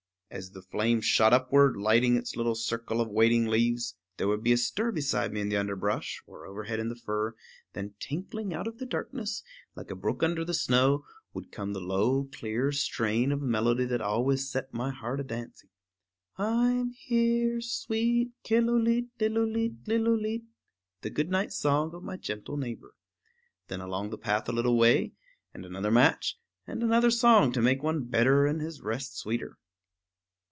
As the flame shot up, lighting its little circle of waiting leaves, there would be a stir beside me in the underbrush, or overhead in the fir; then tinkling out of the darkness, like a brook under the snow, would come the low clear strain of melody that always set my heart a dancing, I'm here, sweet Killooleet lillooleet lillooleet, the good night song of my gentle neighbor. Then along the path a little way, and another match, and another song to make one better and his rest sweeter.